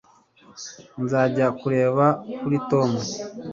Nzajya kureba kuri Tom